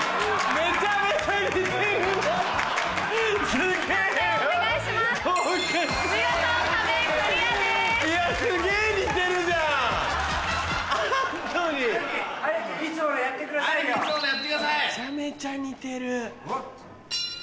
めちゃめちゃ似てる。